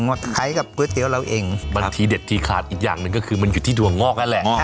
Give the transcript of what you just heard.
มาใช้กับก๋วยเตี๋ยวเราเองบางทีเด็ดทีขาดอีกอย่างหนึ่งก็คือมันอยู่ที่ดวงงอกนั่นแหละ